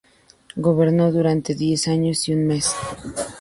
Gobernó durante diez años y un mes.